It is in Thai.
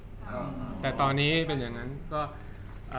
จากความไม่เข้าจันทร์ของผู้ใหญ่ของพ่อกับแม่